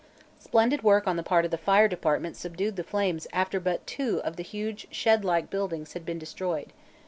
Splendid work on the part of the fire department subdued the flames after but two of the huge shed like buildings had been destroyed.